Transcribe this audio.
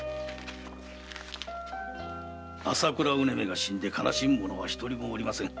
朝倉采女が死んで悲しむ者は一人もおりません。